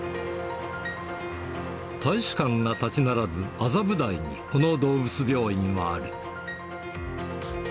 大使館が建ち並ぶ麻布台に、この動物病院はある。